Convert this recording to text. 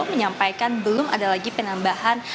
menyampaikan belum ada lagi penambahan